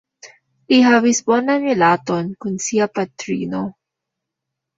Li havis bonan rilaton kun sia patrino.